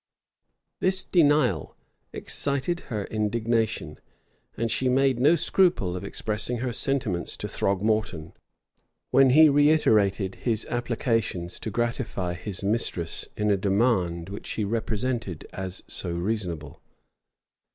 This denial excited her indignation; and she made no scruple of expressing her sentiments to Throgmorton, when he reiterated his applications to gratify his mistress in a demand which he represented as so reasonable.